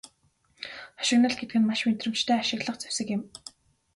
Хошигнол гэдэг нь маш мэдрэмжтэй ашиглах зэвсэг юм.